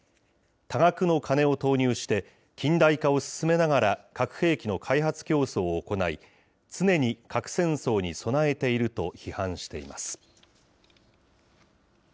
多額の金を投入して、近代化を進めながら核兵器の開発競争を行い、常に核戦争に備えていると批判しています。